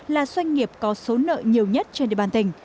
là doanh nghiệp có số nợ nhiều nhất trên địa bàn tỉnh